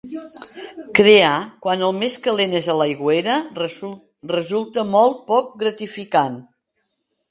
Crear quan el més calent és a l'aigüera resulta molt poc gratificant.